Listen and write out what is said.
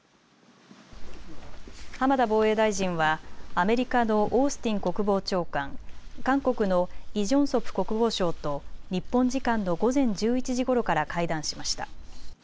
浜田防衛大臣はアメリカのオースティン国防長官、韓国のイ・ジョンソプ国防相と日本時間の午前１１時ごろから会談しました。